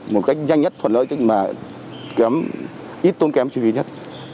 một cách nhanh nhất thuận lợi ít tốn kém chi phí nhất